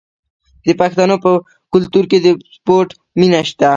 د پښتنو په کلتور کې د سپورت مینه شته.